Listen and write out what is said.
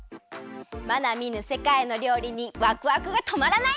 まだみぬせかいのりょうりにわくわくがとまらないね！